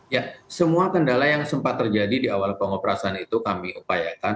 ya semua kendala yang sempat terjadi di awal pengoperasian itu kami upayakan